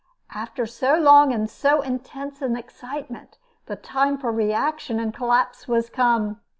After so long and so intense an excitement, the time for reaction and collapse was come.